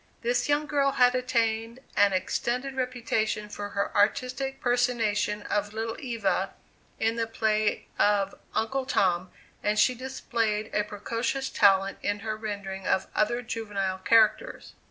This young girl had attained an extended reputation for her artistic personation of "Little Eva," in the play of "Uncle Tom," and she displayed a precocious talent in her rendering of other juvenile characters.